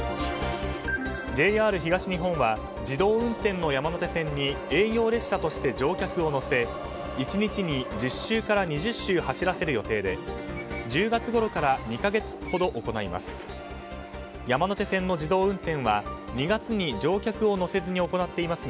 ＪＲ東日本は自動運転の山手線に営業列車として乗客を乗せ１日に１０周から２０周走らせる予定で１０月ごろから２か月ほど行います。